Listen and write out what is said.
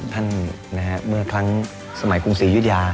เมื่อครั้งสมัยกรุงศรียุธยา